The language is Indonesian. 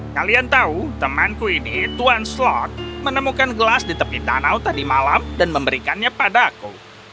kalian tahu temanku ini tuan slot menemukan gelas di tepi danau tadi malam dan memberikannya padaku